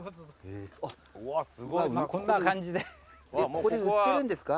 ここで売ってるんですか？